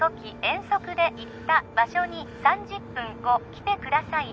遠足で行った場所に３０分後来てください